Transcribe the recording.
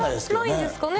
ないんですかね？